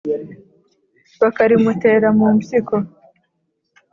bakarimutera mu mpyiko